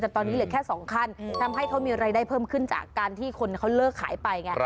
แต่ตอนนี้เหลือแค่๒ขั้นทำให้เขามีรายได้เพิ่มขึ้นจากการที่คนเขาเลิกขายไปไง